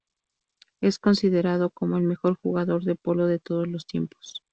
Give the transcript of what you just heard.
Es considerado como el mejor jugador de polo de todos los tiempos.